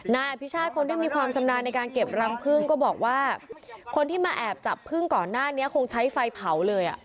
นายอภิชาติคนที่มีความชำนาญในการเก็บรังพึ่งก็บอกว่าคนที่มาแอบจับพึ่งก่อนหน้านี้คงใช้ไฟเผาเลยอ่ะ